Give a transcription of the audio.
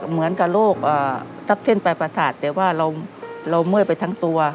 เหมือนกับโรคทับเส้นปลายประสาทแต่ว่าเราเมื่อยไปทั้งตัว